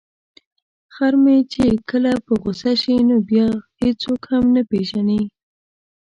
خر مې چې کله په غوسه شي نو بیا هیڅوک هم نه پيژني.